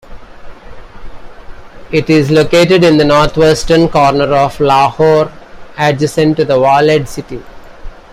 It is located in the northwestern corner of Lahore, adjacent to the Walled City.